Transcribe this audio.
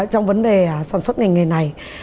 trong vấn đề sản xuất nghề này